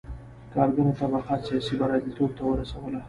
کارګره طبقه سیاسي بریالیتوب ته ورسوله.